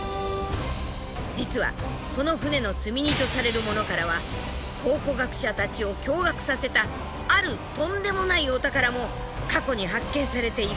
実はこの船の積み荷とされるものからは考古学者たちを驚愕させたあるとんでもないお宝も過去に発見されている。